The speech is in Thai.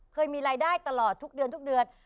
เคยมีรายได้ตลอดทุกเดือนทุกเดือน